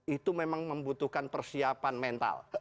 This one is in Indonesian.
itu memang membutuhkan persiapan mental